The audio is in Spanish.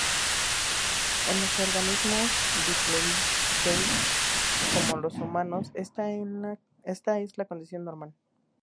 En los organismo diploides como los humanos, esta es la condición normal.